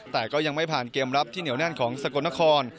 แต่ก็ยังไม่ผ่านเกมรับที่เหนียวแน่นของสกลนคร